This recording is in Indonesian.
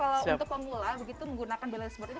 untuk pemula begitu menggunakan balance board ini